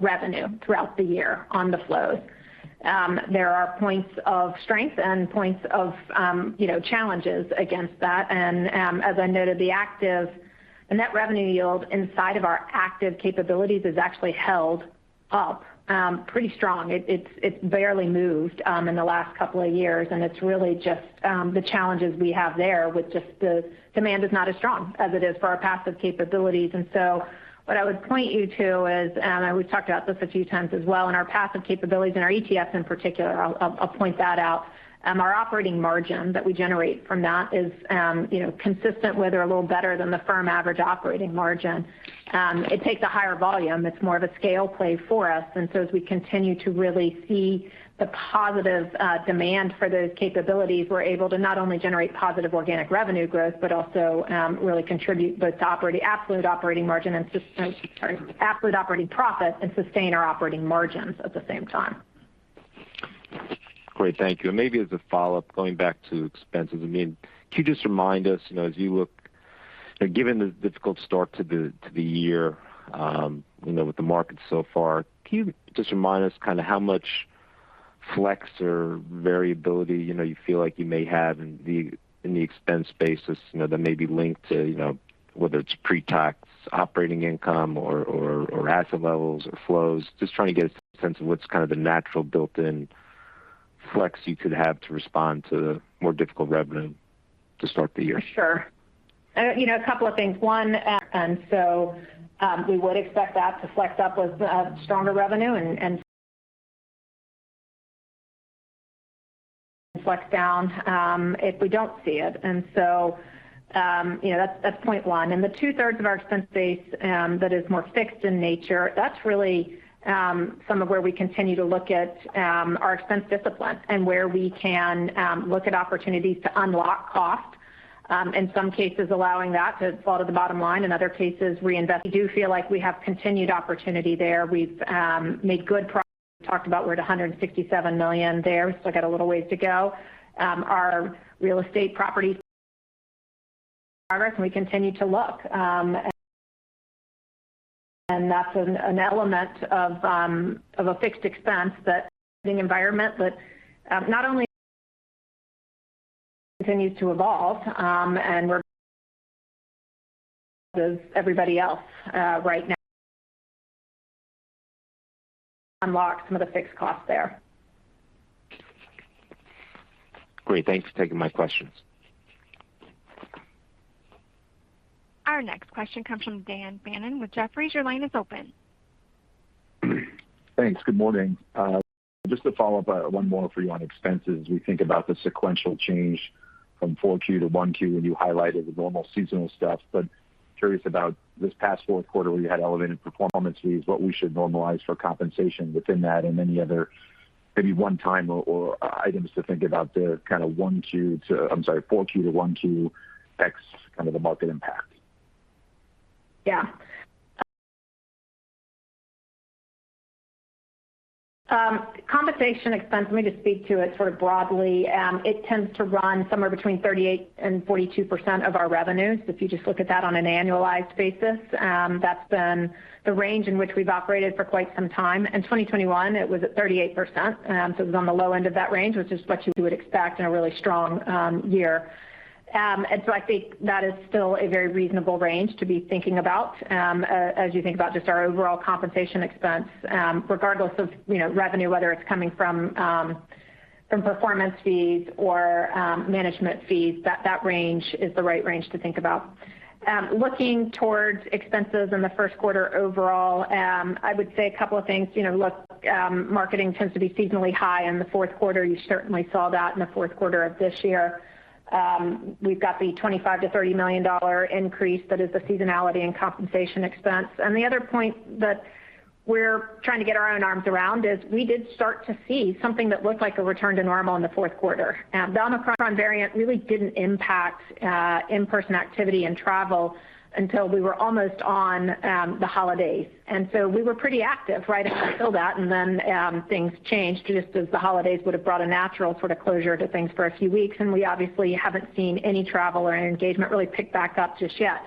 revenue throughout the year on the flows. There are points of strength and points of, you know, challenges against that. As I noted, the net revenue yield inside of our active capabilities has actually held up pretty strong. It's barely moved in the last couple of years, and it's really just the challenges we have there with just the demand is not as strong as it is for our passive capabilities. What I would point you to is, and I always talked about this a few times as well, in our passive capabilities in our ETFs, in particular, I'll point that out. Our operating margin that we generate from that is, you know, consistent with or a little better than the firm average operating margin. It takes a higher volume. It's more of a scale play for us. As we continue to really see the positive demand for those capabilities, we're able to not only generate positive organic revenue growth, but also, really contribute both to absolute operating profit and sustain our operating margins at the same time. Great. Thank you. Maybe as a follow-up, going back to expenses, I mean, could you just remind us, you know, given the difficult start to the year, you know, with the market so far, can you just remind us kinda how much flex or variability, you know, you feel like you may have in the expense basis, you know, that may be linked to, you know, whether it's pre-tax operating income or asset levels or flows. Just trying to get a sense of what's kind of the natural built-in flex you could have to respond to more difficult revenue to start the year? Sure. You know, a couple of things. One. We would expect that to flex up with stronger revenue and flex down if we don't see it. You know, that's point one. The two-thirds of our expense base that is more fixed in nature, that's really some of where we continue to look at our expense discipline and where we can look at opportunities to unlock cost, in some cases allowing that to fall to the bottom line, in other cases, reinvest. We do feel like we have continued opportunity there. We've made good progress. We talked about we're at $167 million there. We still got a little ways to go. Our real estate properties, however, we continue to look. That's an element of a fixed expense, but the environment not only continues to evolve, and we're like everybody else right now to unlock some of the fixed costs there. Great. Thanks for taking my questions. Our next question comes from Dan Fannon with Jefferies. Your line is open. Thanks. Good morning. Just to follow up, one more for you on expenses. When we think about the sequential change from 4Q-1Q, and you highlighted the normal seasonal stuff. Curious about this past fourth quarter where you had elevated performance fees, what we should normalize for compensation within that and any other maybe one-time or items to think about there, kinda 4Q-1Q FX, kind of the market impact? Yeah. Compensation expense, let me just speak to it sort of broadly. It tends to run somewhere between 38% and 42% of our revenues. If you just look at that on an annualized basis, that's been the range in which we've operated for quite some time. In 2021, it was at 38%. It was on the low end of that range, which is what you would expect in a really strong year. I think that is still a very reasonable range to be thinking about, as you think about just our overall compensation expense, regardless of, you know, revenue, whether it's coming from performance fees or management fees, that range is the right range to think about. Looking towards expenses in the first quarter overall, I would say a couple of things. You know, look, marketing tends to be seasonally high in the fourth quarter. You certainly saw that in the fourth quarter of this year. We've got the $25 million-$30 million increase that is the seasonality and compensation expense. The other point that we're trying to get our own arms around is we did start to see something that looked like a return to normal in the fourth quarter. The Omicron variant really didn't impact in-person activity and travel until we were almost on the holidays. We were pretty active right up until that, and then things changed just as the holidays would have brought a natural sort of closure to things for a few weeks. We obviously haven't seen any travel or engagement really pick back up just yet.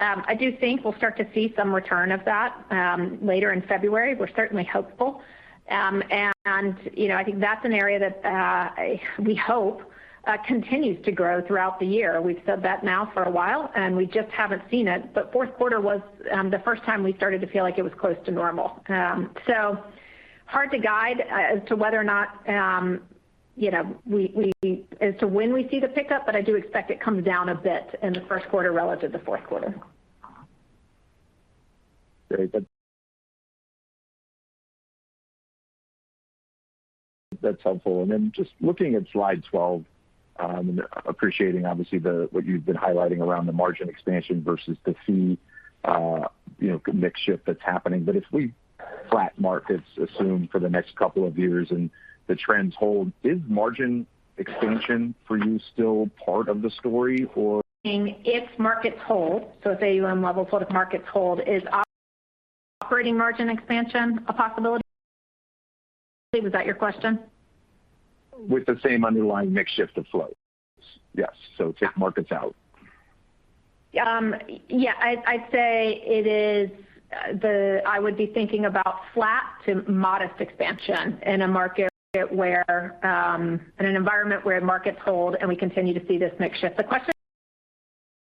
I do think we'll start to see some return of that later in February. We're certainly hopeful. You know, I think that's an area that we hope continues to grow throughout the year. We've said that now for a while, and we just haven't seen it. But fourth quarter was the first time we started to feel like it was close to normal. Hard to guide as to whether or not, you know, we as to when we see the pickup, but I do expect it comes down a bit in the first quarter relative to fourth quarter. Great. That's helpful. Then just looking at slide 12, appreciating obviously what you've been highlighting around the margin expansion versus the fee, you know, mix shift that's happening. If we assume flat markets for the next couple of years and the trends hold, is margin expansion for you still part of the story or? If markets hold, so if AUM levels sort of markets hold, is operating margin expansion a possibility? Was that your question? With the same underlying mix shift of flows? Yes. Take markets out. Yeah, I would be thinking about flat to modest expansion in a market where, in an environment where markets hold and we continue to see this mix shift.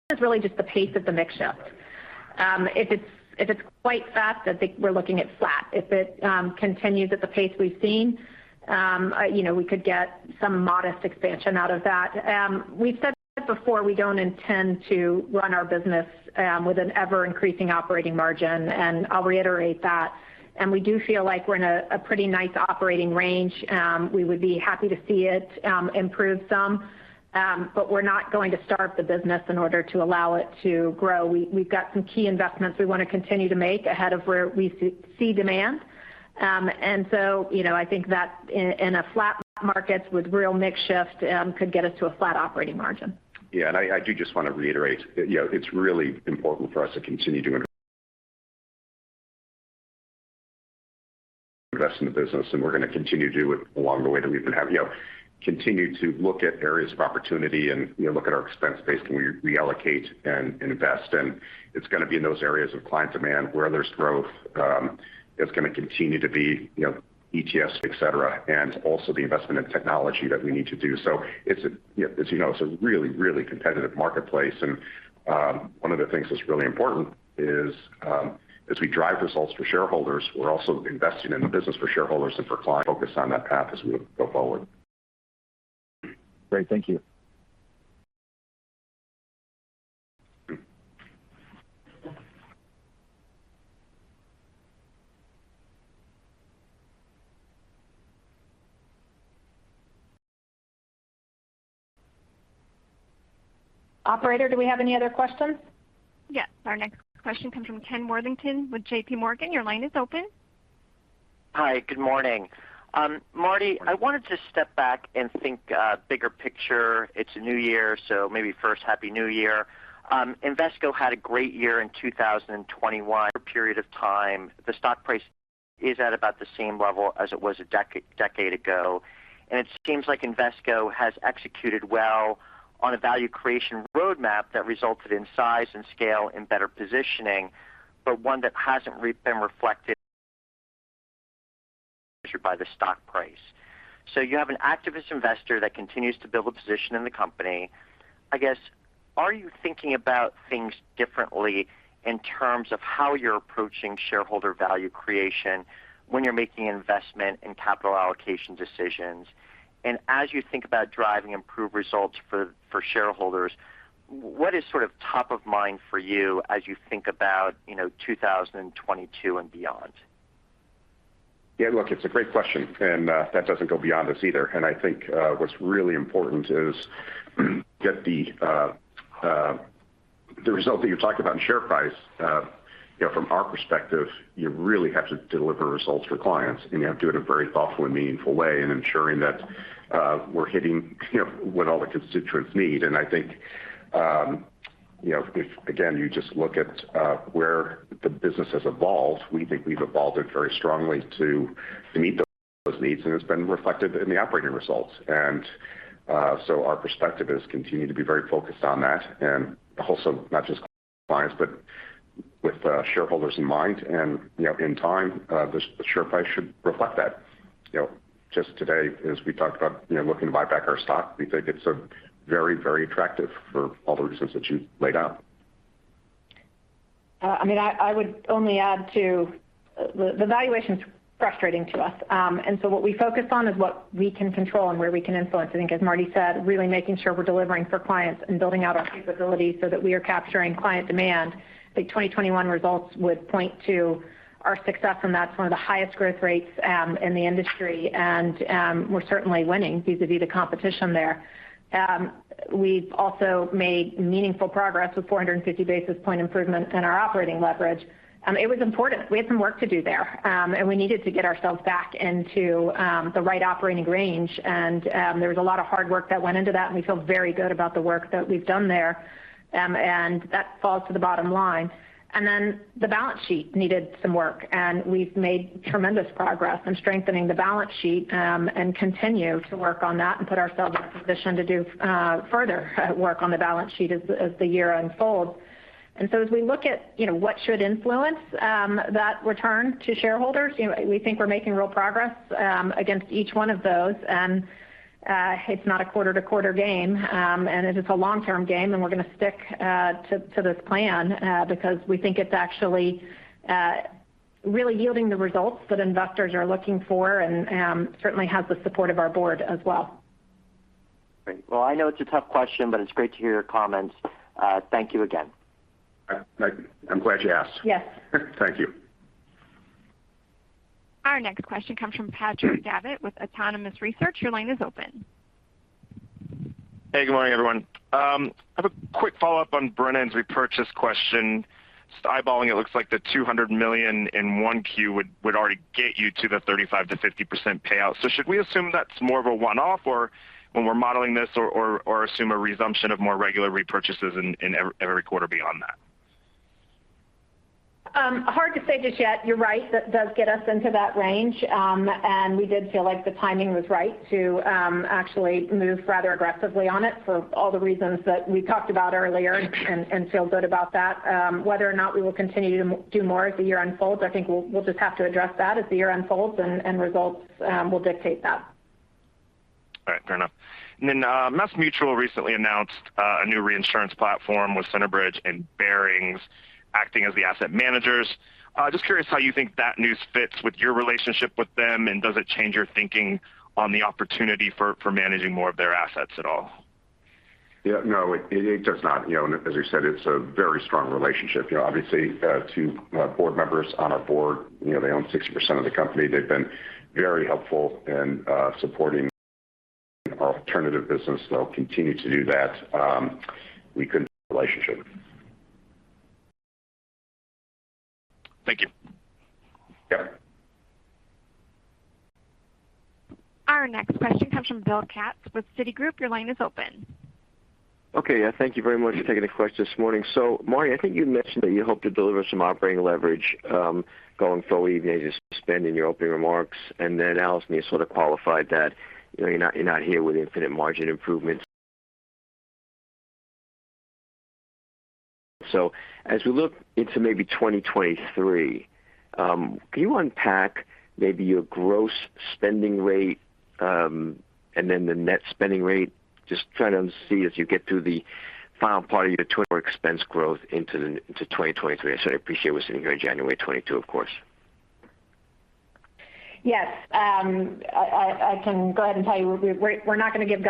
It's really just the pace of the mix shift. If it's quite fast, I think we're looking at flat. If it continues at the pace we've seen, you know, we could get some modest expansion out of that. We've said before, we don't intend to run our business with an ever-increasing operating margin, and I'll reiterate that. We do feel like we're in a pretty nice operating range. We would be happy to see it improve some, but we're not going to starve the business in order to allow it to grow. We've got some key investments we want to continue to make ahead of where we see demand. You know, I think that in a flat market with real mix shift could get us to a flat operating margin. Yeah. I do just want to reiterate, you know, it's really important for us to continue to invest in the business, and we're going to continue to do it along the way that we've been, you know, continue to look at areas of opportunity and, you know, look at our expense base. Can we reallocate and invest? It's going to be in those areas of client demand where there's growth. It's going to continue to be, you know, ETFs, et cetera, and also the investment in technology that we need to do. It's, you know, as you know, it's a really, really competitive marketplace. One of the things that's really important is, as we drive results for shareholders, we're also investing in the business for shareholders and for clients, focused on that path as we go forward. Great. Thank you. Operator, do we have any other questions? Yes. Our next question comes from Ken Worthington with JPMorgan. Your line is open. Hi. Good morning. Marty, I wanted to step back and think bigger picture. It's a new year, so maybe first Happy New Year. Invesco had a great year in 2021. For a period of time, the stock price is at about the same level as it was a decade ago. It seems like Invesco has executed well on a value creation roadmap that resulted in size and scale and better positioning, but one that hasn't been reflected by the stock price. You have an activist investor that continues to build a position in the company. I guess, are you thinking about things differently in terms of how you're approaching shareholder value creation when you're making investment and capital allocation decisions? As you think about driving improved results for shareholders, what is sort of top of mind for you as you think about, you know, 2022 and beyond? Yeah, look, it's a great question, and that doesn't go beyond us either. I think what's really important is to get the result that you're talking about and share price. You know, from our perspective, you really have to deliver results for clients, and you have to do it in a very thoughtful and meaningful way in ensuring that we're hitting, you know, what all the constituents need. I think, you know, if again, you just look at where the business has evolved, we think we've evolved it very strongly to meet those needs, and it's been reflected in the operating results. Our perspective is to continue to be very focused on that and also not just clients, but with shareholders in mind. You know, in time, the share price should reflect that. You know, just today as we talked about, you know, looking to buy back our stock, we think it's very, very attractive for all the reasons that you laid out. I mean, I would only add to the valuation's frustrating to us. What we focus on is what we can control and where we can influence. I think as Marty said, really making sure we're delivering for clients and building out our capabilities so that we are capturing client demand. I think 2021 results would point to our success, and that's one of the highest growth rates in the industry. We're certainly winning vis-à-vis the competition there. We've also made meaningful progress with 450 basis point improvement in our operating leverage. It was important. We had some work to do there, and we needed to get ourselves back into the right operating range. There was a lot of hard work that went into that, and we feel very good about the work that we've done there. That falls to the bottom line. The balance sheet needed some work, and we've made tremendous progress in strengthening the balance sheet, and continue to work on that and put ourselves in a position to do further work on the balance sheet as the year unfolds. As we look at, you know, what should influence that return to shareholders, you know, we think we're making real progress against each one of those. It's not a quarter-to-quarter game, and it is a long-term game, and we're going to stick to this plan because we think it's actually really yielding the results that investors are looking for and certainly has the support of our board as well. Great. Well, I know it's a tough question, but it's great to hear your comments. Thank you again. I'm glad you asked. Yes. Thank you. Our next question comes from Patrick Davitt with Autonomous Research. Your line is open. Hey, good morning, everyone. I have a quick follow-up on Brennan's repurchase question. Just eyeballing it looks like the $200 million in 1Q would already get you to the 35%-50% payout. Should we assume that's more of a one-off or when we're modeling this or assume a resumption of more regular repurchases in every quarter beyond that? Hard to say just yet. You're right. That does get us into that range. We did feel like the timing was right to actually move rather aggressively on it for all the reasons that we talked about earlier and feel good about that. Whether or not we will continue to do more as the year unfolds, I think we'll just have to address that as the year unfolds and results will dictate that. Fair enough. MassMutual recently announced a new reinsurance platform with Centerbridge and Barings acting as the asset managers. Just curious how you think that news fits with your relationship with them, and does it change your thinking on the opportunity for managing more of their assets at all? Yeah, no, it does not. You know, as we said, it's a very strong relationship. You know, obviously, two board members on our board, you know, they own 60% of the company. They've been very helpful in supporting our alternative business. They'll continue to do that. We couldn't have a better relationship. Thank you. Yeah. Our next question comes from Bill Katz with Citigroup. Your line is open. Okay. Yeah, thank you very much for taking the question this morning. Marty, I think you mentioned that you hope to deliver some operating leverage going forward, you know, you just spent your opening remarks, and then Allison, you sort of qualified that, you know, you're not here with infinite margin improvements. As we look into maybe 2023, can you unpack maybe your gross spending rate and then the net spending rate, just trying to see as you get through the final part of your total expense growth into 2023? I certainly appreciate we're sitting here January 2022, of course. Yes. I can go ahead and tell you we're not gonna give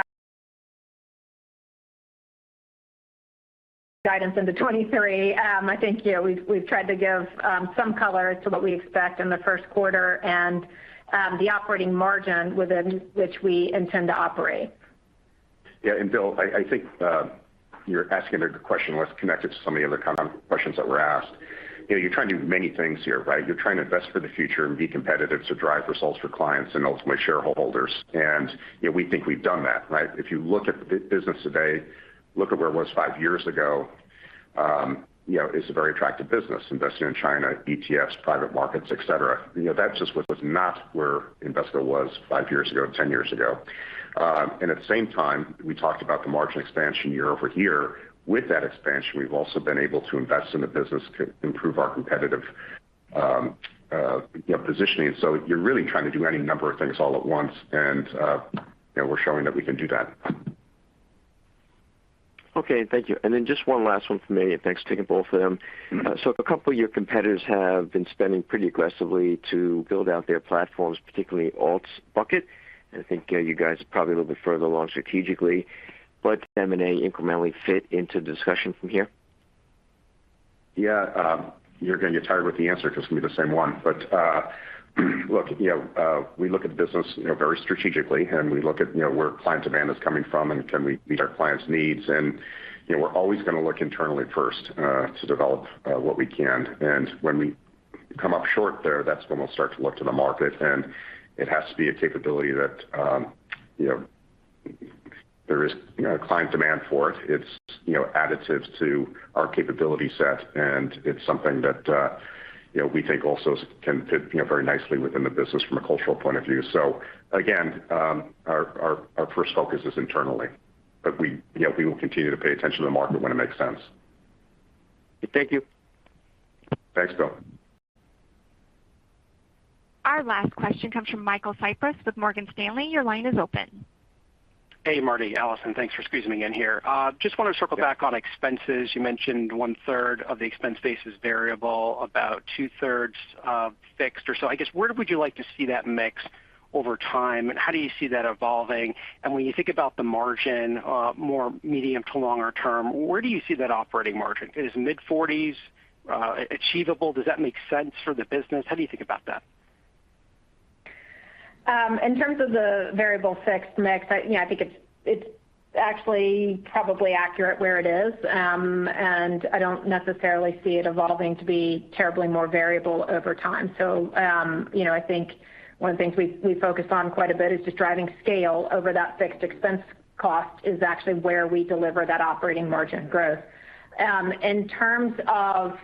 guidance into 2023. I think, you know, we've tried to give some color to what we expect in the first quarter and the operating margin within which we intend to operate. Bill, I think you're asking a good question that's connected to some of the other kind of questions that were asked. You know, you're trying to do many things here, right? You're trying to invest for the future and be competitive to drive results for clients and ultimately shareholders. You know, we think we've done that, right? If you look at the business today, look at where it was five years ago, you know, it's a very attractive business investing in China, ETFs, private markets, et cetera. You know, that just was not where Invesco was five years ago, 10 years ago. At the same time, we talked about the margin expansion year-over-year. With that expansion, we've also been able to invest in the business to improve our competitive, you know, positioning. You're really trying to do any number of things all at once, and, you know, we're showing that we can do that. Okay. Thank you. Then just one last one from me, and thanks to both of them. Mm-hmm. A couple of your competitors have been spending pretty aggressively to build out their platforms, particularly alts bucket. I think, you know, you guys are probably a little bit further along strategically. M&A incrementally fit into the discussion from here? Yeah. You're gonna get tired with the answer 'cause it's gonna be the same one. Look, you know, we look at the business, you know, very strategically, and we look at, you know, where client demand is coming from and can we meet our clients' needs. You know, we're always gonna look internally first, to develop, what we can. When we come up short there, that's when we'll start to look to the market. It has to be a capability that, you know, there is, you know, client demand for it. It's, you know, additives to our capability set, and it's something that, you know, we think also can fit, you know, very nicely within the business from a cultural point of view. Again, our first focus is internally, but we, you know, we will continue to pay attention to the market when it makes sense. Thank you. Thanks, Bill. Our last question comes from Michael Cyprys with Morgan Stanley. Your line is open. Hey, Marty, Allison. Thanks for squeezing me in here. Just wanna circle back on expenses. You mentioned one-third of the expense base is variable, about two-thirds, fixed or so. I guess, where would you like to see that mix over time, and how do you see that evolving? When you think about the margin, more medium to longer term, where do you see that operating margin? Is mid-forties achievable? Does that make sense for the business? How do you think about that? In terms of the variable fixed mix, you know, I think it's actually probably accurate where it is. I don't necessarily see it evolving to be terribly more variable over time. You know, I think one of the things we focus on quite a bit is just driving scale over that fixed expense cost is actually where we deliver that operating margin growth. In terms of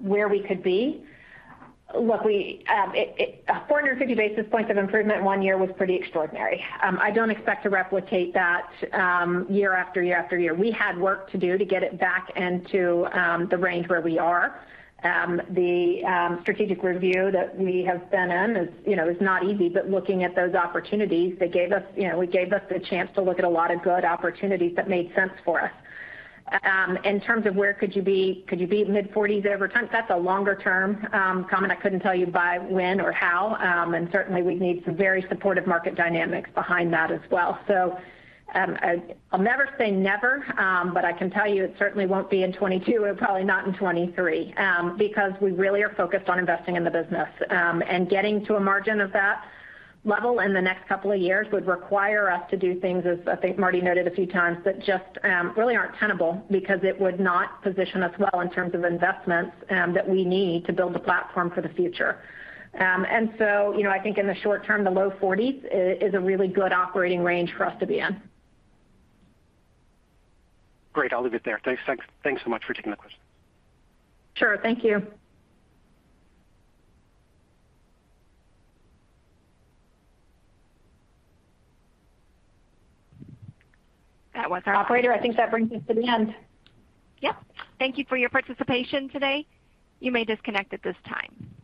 where we could be, 450 basis points of improvement one year was pretty extraordinary. I don't expect to replicate that year after year after year. We had work to do to get it back into the range where we are. The strategic review that we have been in is, you know, not easy, but looking at those opportunities, they gave us, you know, it gave us the chance to look at a lot of good opportunities that made sense for us. In terms of where could you be mid-forties over time? That's a longer term comment I couldn't tell you by when or how. Certainly we'd need some very supportive market dynamics behind that as well. I'll never say never, but I can tell you it certainly won't be in 2022 and probably not in 2023, because we really are focused on investing in the business. Getting to a margin of that level in the next couple of years would require us to do things as I think Marty noted a few times, that just really aren't tenable because it would not position us well in terms of investments that we need to build the platform for the future. You know, I think in the short term, the low 40s% is a really good operating range for us to be in. Great. I'll leave it there. Thanks so much for taking the questions. Sure. Thank you. That was our operator. I think that brings us to the end. Yep. Thank you for your participation today. You may disconnect at this time.